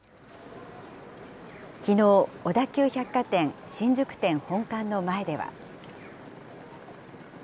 きのう、小田急百貨店新宿店本館の前では。